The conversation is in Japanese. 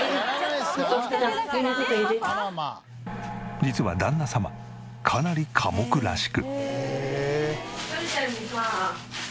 実は旦那様かなり寡黙らしく。